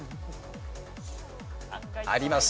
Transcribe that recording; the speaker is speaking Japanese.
あります。